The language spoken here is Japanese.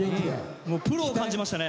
プロを感じましたね。